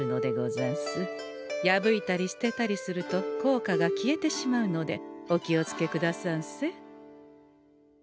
破いたり捨てたりすると効果が消えてしまうのでお気を付けくださんせ。